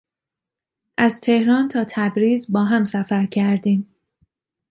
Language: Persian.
از تهران تا تبریز با هم سفر کردیم.